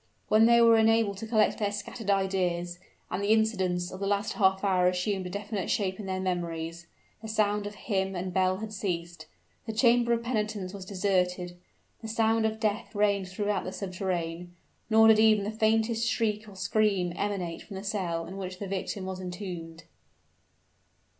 When they were enabled to collect their scattered ideas, and the incidents of the last half hour assumed a definite shape in their memories, the sound of hymn and bell had ceased the chamber of penitence was deserted the silence of death reigned throughout the subterrane nor did even the faintest shriek or scream emanate from the cell in which the victim was entombed.